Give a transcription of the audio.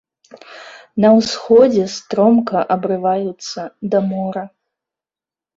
На ўсходзе стромка абрываюцца да мора.